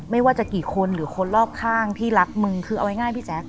ไม่ว่าจะกี่คนหรือคนรอบข้างพี่รักมึงคือเอาง่ายพี่แจ๊ค